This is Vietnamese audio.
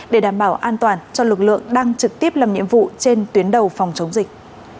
để đảm bảo an toàn cho lực lượng đang trực tiếp làm nhiệm vụ trên tuyến đầu phòng chống dịch